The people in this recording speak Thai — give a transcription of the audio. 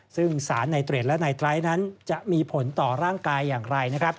ซึ่งสารไนเตรดและในไตรนั้นจะมีผลต่อร่างกายอย่างไร